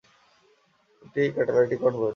একটা catalytic converter.